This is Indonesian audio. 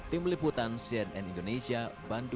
tim liputan cnn indonesia